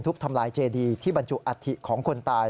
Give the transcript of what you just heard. ทำลายเจดีที่บรรจุอัฐิของคนตาย